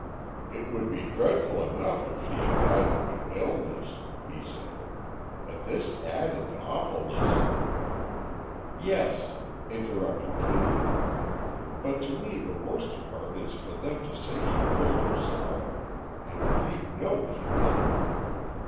"It would be dreadful enough if she had died from an illness," he said; "but this added awfulness——" "Yes," interrupted Kitty; "but to me the worst part is for them to say she killed herself,—and I know she didn't.